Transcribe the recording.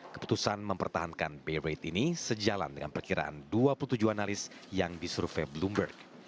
keputusan mempertahankan be rate ini sejalan dengan perkiraan dua puluh tujuh analis yang disurvey bloomberg